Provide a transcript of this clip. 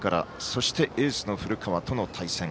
そしてエースの古川との対戦。